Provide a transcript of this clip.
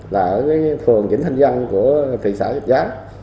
là ở cái phường vĩnh thanh văn của thị xã giáp giáp